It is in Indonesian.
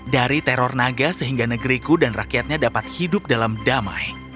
dari teror naga sehingga negeriku dan rakyatnya dapat hidup dalam damai